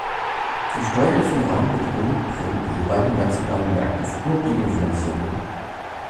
Die steuerlichen Rahmenbedingungen prägen die jeweiligen nationalen Märkte für Immobilienfinanzierungen.